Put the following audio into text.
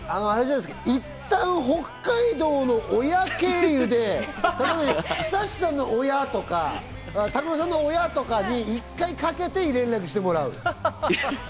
いったん北海道の親経由で、例えばＨＩＳＡＳＨＩさんの親とか、ＴＡＫＵＲＯさんの親とかに１回かけて連絡してもらう。